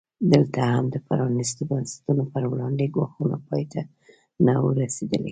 دلته هم د پرانیستو بنسټونو پر وړاندې ګواښونه پای ته نه وو رسېدلي.